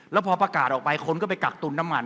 แล้วพอประกาศออกไปคนก็ไปกักตุนน้ำมัน